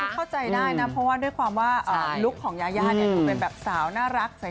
เข้าใจได้นะเพราะว่าด้วยความว่าลุคของยายาเนี่ยดูเป็นแบบสาวน่ารักใส